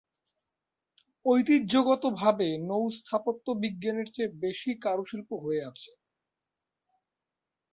ঐতিহ্যগতভাবে, নৌ স্থাপত্য বিজ্ঞানের চেয়ে বেশি কারুশিল্প হয়ে আছে।